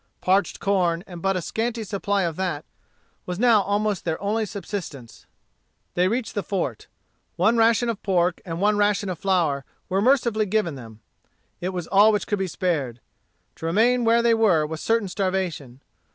Parched corn, and but a scanty supply of that, was now almost their only subsistence. They reached the fort. One ration of pork and one ration of flour were mercifully given them. It was all which could be spared. To remain where they were was certain starvation.